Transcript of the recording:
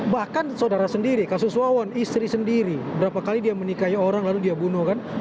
bahkan saudara sendiri kasus wawan istri sendiri berapa kali dia menikahi orang lalu dia bunuh kan